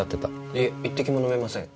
いえ一滴も飲めません。